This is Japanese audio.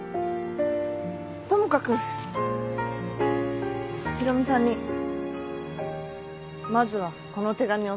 ともかく大海さんにまずはこの手紙を届けてきます。